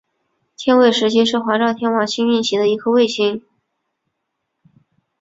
天卫十七是环绕天王星运行的一颗卫星。